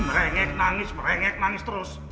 merengek nangis merengek nangis terus